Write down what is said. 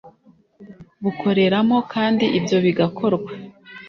bukoreramo kandi ibyo bigakorwa